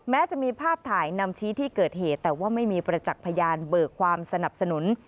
แม้จะมีภาพถ่ายนำชี้ที่เกิดเหตุแต่ว่าไม่มีประจักษ์พยานเบิกความสนับสนุน